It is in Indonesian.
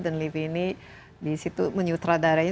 dan livi ini disitu menyutradarai